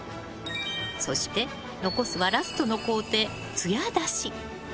そして、残すはラストの工程つや出し。